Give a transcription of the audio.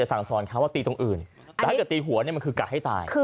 ตัวเนี้ยเนี้ยจะตีหัวเนี่ยกลับให้ตาย